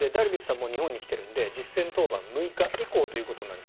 もう日本に来ているので実戦登板、６日以降となります。